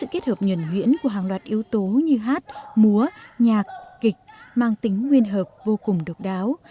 sự kết hợp nhuẩn nhuyễn của hàng loạt yếu tố như hát múa nhạc kịch mang tính nguyên hợp vô cùng độc đáo